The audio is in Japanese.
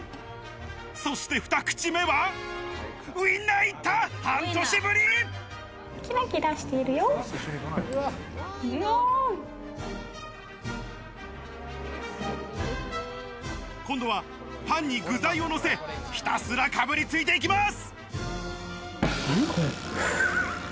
そして二口目は、ウインナーキラキラしてるよ。今度はパンに具材をのせ、ひたすらかぶりついていきます。